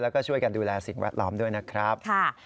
แล้วก็ช่วยกันดูแลสิ่งแวดล้อมด้วยนะครับ